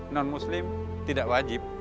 non muslim tidak wajib